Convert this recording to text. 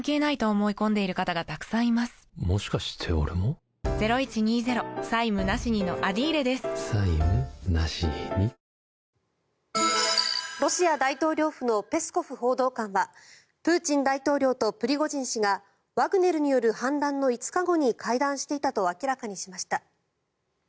はじけすぎでしょ『三ツ矢サイダー』ロシア大統領府のペスコフ報道官はプーチン大統領とプリゴジン氏がワグネルによる反乱の５日後に会談していたと明らかにしました。